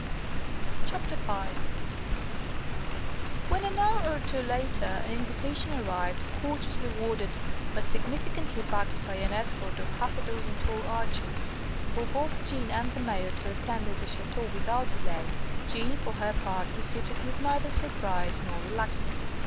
V When, an hour or two later, an invitation arrived courteously worded but significantly backed by an escort of half a dozen tall archers for both Jeanne and the Mayor to attend at the Ch√¢teau without delay, Jeanne for her part received it with neither surprise nor reluctance.